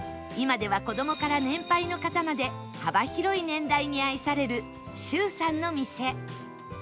今では子どもから年配の方まで幅広い年代に愛される修さんの店